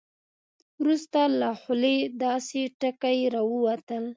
وروسته له خولې داسې ټکي راووتل.